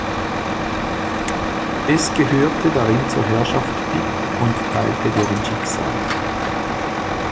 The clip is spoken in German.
Es gehörte darin zur Herrschaft Bipp und teilte deren Schicksal.